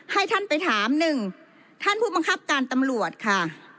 ให้ท่านไปถามหนึ่งท่านผู้บังคับการตำรวจค่ะ